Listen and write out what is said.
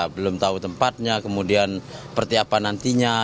belum tahu tempatnya kemudian seperti apa nantinya